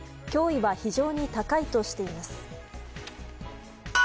脅威は非常に高いとしています。